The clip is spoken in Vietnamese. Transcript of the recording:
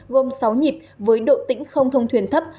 gồm sáu nhịp với độ tĩnh không thông thuyền thấp